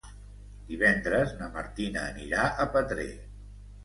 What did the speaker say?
Divendres na Martina anirà a Petrer.